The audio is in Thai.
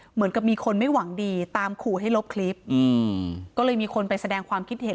เหมือนกับมีคนไม่หวังดีตามขู่ให้ลบคลิปอืมก็เลยมีคนไปแสดงความคิดเห็น